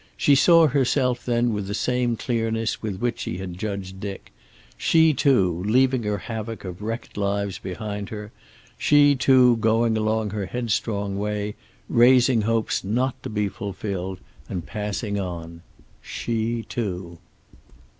She saw herself then with the same clearness with which she had judged Dick. She too, leaving her havoc of wrecked lives behind her; she too going along her headstrong way, raising hopes not to be fulfilled, and passing on. She too.